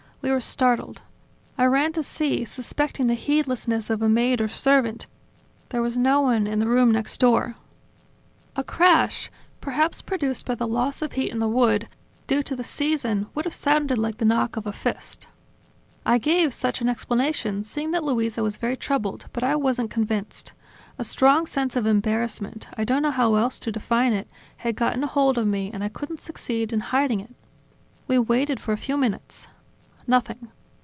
We were startled. I ran to see, suspecting the heedlessness of a maid or servant; there was no one in the room next door." "A crash, perhaps produced by the loss of heat in the wood, due to the season, would have sounded like the knock of a fist." "I gave such an explanation, seeing that Luisa was very troubled; but I wasn't convinced. A strong sense of embarrassment, I don't know how else to define it, had gotten a hold of me and I couldn't succeed in hiding it. We waited for a few minutes. Nothing.